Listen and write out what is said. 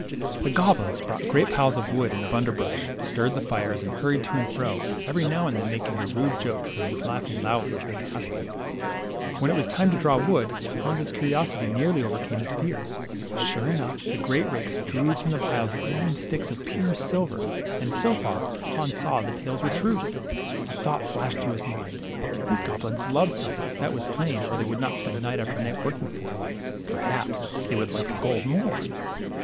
The goblins brought great piles of wood and of underbrush, stirred the fires, and hurried to and fro, every now and then making their rude jokes, and laughing loudly as they passed him. When it was ^^' '';f ■ r. '■ ,n,;. il Vij'>' •^:'\ X |.. .V^ :/^'■■'■■%■• JL: ':mn YiX ' LITTLE HANS. 31 time to draw the wood, Hans', curiosity nearly over came his fears. Sure enough, the great rakes drew from the piles glowing sticks of pure silver, and so far, Hans saw the tales were true. A thought flashed through his mind. These goblins loved silver, that was plain, or they would not spend night after night working for it. Perhaps they would like gold more